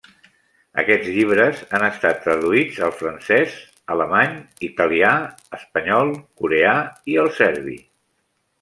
Aquests llibres han estat traduïts al francès, alemany, italià, espanyol, coreà, i el serbi.